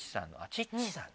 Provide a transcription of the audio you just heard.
チッチさんね。